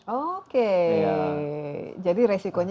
oke jadi resikonya